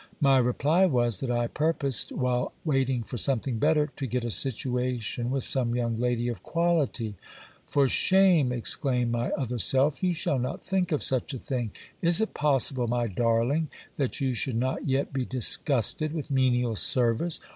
My reply was, that I purposed, while waiting for something better, to get a situation with some young lady of quality. For shame, exclaimed my other self, you shall not think of such a thing. Is it possible, my darling, that you should not yet be disgusted with menial sen ice